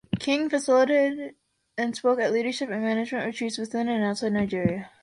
King facilitated and spoke at leadership and management retreats within and outside Nigeria.